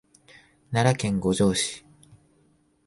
奈良県五條市